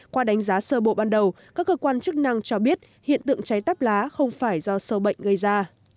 qua đánh giá sơ bộ ban đầu các cơ quan chức năng cho biết hiện tượng cháy tắp lá không phải do sâu bệnh gây ra